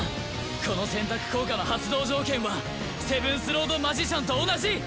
この選択効果の発動条件はセブンスロード・マジシャンと同じ！